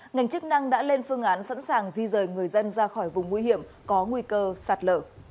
ngành chức năng đã lên phương án sẵn sàng di rời người dân ra khỏi vùng nguy hiểm có nguy cơ sạt lở